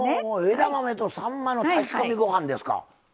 枝豆とさんまの炊き込みご飯ですか。